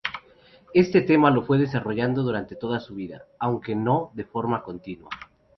Este tema lo fue desarrollando durante toda su vida, aunque no de forma continua.